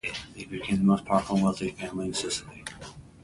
They became the most powerful and wealthy family in Sicily.